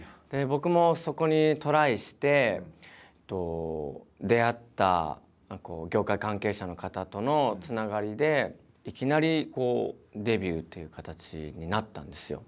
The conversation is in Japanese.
僕もそこにトライして出会った業界関係者の方とのつながりでいきなりデビューっていう形になったんですよ。